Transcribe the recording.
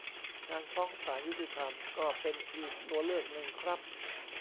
การฟ้องศาลยุติธรรมก็เป็นอีกตัวเลือกหนึ่งครับ